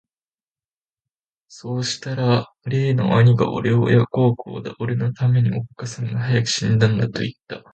さうしたら例の兄がおれを親不孝だ、おれの為めに、おつかさんが早く死んだんだと云つた。